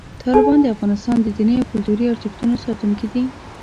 طالبان د افغانستان د دیني او کلتوري ارزښتونو ساتونکي دي.